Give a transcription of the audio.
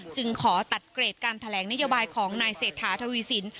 จึงขอตัดเกรดการแถลงนโยบายของนายเศรษฐาทวีสิน